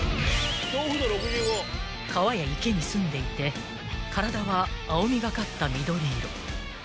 ［川や池にすんでいて体は青みがかった緑色］